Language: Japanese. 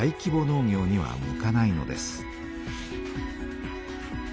農業には向かないのです。